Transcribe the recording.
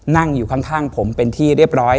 นั่งอยู่ข้างผมเป็นที่เรียบร้อย